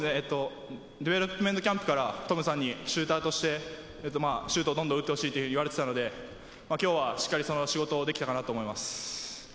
キャンプからトムさんにシューターとしてシュートをどんどん打ってほしいと言われていたので、今日は、その仕事をしっかりできたかなと思います。